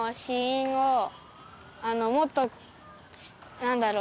もっとなんだろう